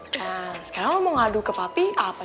nah sekarang mau ngadu ke papi apa